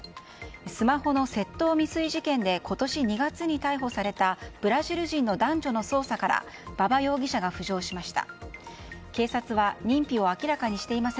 スマホの窃盗未遂事件で今年２月に逮捕されたブラジル人の男女の捜査から馬場容疑者が浮上しました。